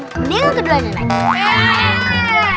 mendingan kedua duanya naik